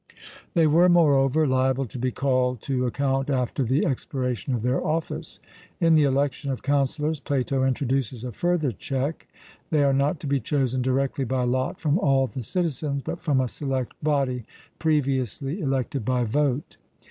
They were, moreover, liable to be called to account after the expiration of their office. In the election of councillors Plato introduces a further check: they are not to be chosen directly by lot from all the citizens, but from a select body previously elected by vote.